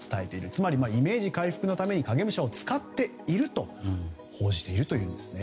つまり、イメージ回復のために影武者を使っていると報じているんですね。